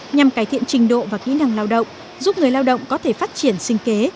nhằm cải thiện trình độ và kỹ năng lao động giúp người lao động có thể phát triển sinh kế